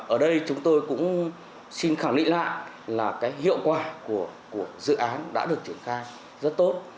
ở đây chúng tôi cũng xin khẳng định lại là cái hiệu quả của dự án đã được triển khai rất tốt